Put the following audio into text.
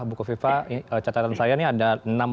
bukoviva catatan saya ini ada